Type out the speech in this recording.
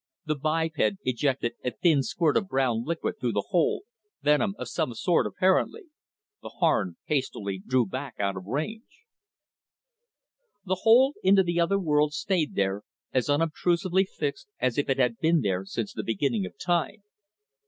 _ _The biped ejected a thin squirt of brown liquid through the hole venom of some sort, apparently. The Harn hastily drew back out of range._ The hole into the other world stayed there, as unobtrusively fixed as if it had been there since the beginning of time.